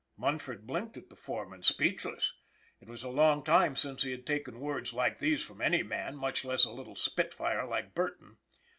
Munford blinked at the foreman, speechless. It was a long time since he had taken words like these from any man, much less a little spitfire like Burton.